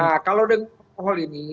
nah kalau dengan hal ini